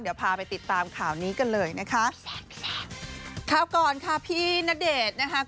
เดี๋ยวพาไปติดตามข่าวนี้กันเลยนะคะข่าวก่อนค่ะพี่ณเดชน์นะคะ